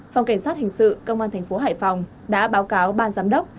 phòng cảnh sát hình sự công an thành phố hải phòng đã báo cáo ban giám đốc